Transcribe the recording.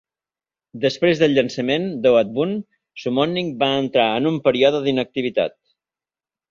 Després del llançament d'"Oath Bound", Summoning va entrar en un període d'inactivitat.